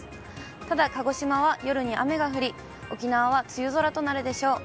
ただ、鹿児島は夜に雨が降り、沖縄は梅雨空となるでしょう。